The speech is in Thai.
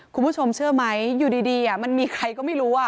คุณผู้ชมเชื่อไหมอยู่ดีมันมีใครก็ไม่รู้